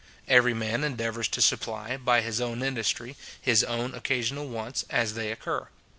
Every man endeavours to supply, by his own industry, his own occasional wants, as they occur.